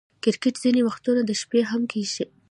کرکټ ځیني وختونه د شپې هم کیږي.